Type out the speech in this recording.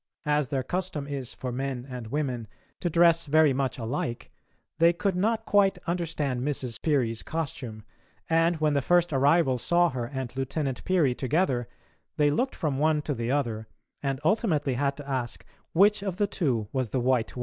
As their custom is for men and women to dress very much alike, they could not quite understand Mrs. Peary's costume, and when the first arrivals saw her and Lieutenant Peary together, they looked from one to the other, and ultimately had to ask which of the two was the white woman.